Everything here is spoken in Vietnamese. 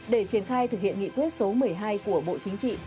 để triển khai thực hiện nghị quyết số một mươi hai của bộ chính trị